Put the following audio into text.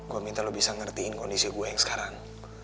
gue minta lo bisa ngertiin kondisi gue yang sekarang